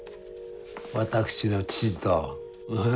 私の父と。